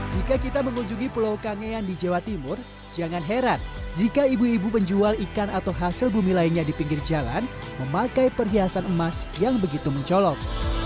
jika kita mengunjungi pulau kangean di jawa timur jangan heran jika ibu ibu penjual ikan atau hasil bumi lainnya di pinggir jalan memakai perhiasan emas yang begitu mencolok